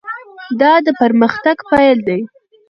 دا د پرمختګ پیل دی.